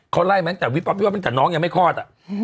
เขาไล่มาตั้งแต่น้องยังไม่ข้อด